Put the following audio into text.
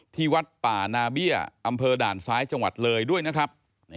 ที่วัดป่านาเบี้ยอำเภอด่านซ้ายจังหวัดเลยด้วยนะครับ